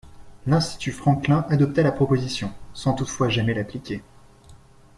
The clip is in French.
L'Institut Franklin adopta la proposition, sans toutefois jamais l'appliquer.